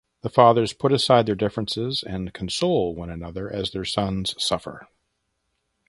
The fathers put aside their differences and console one another as their sons suffer.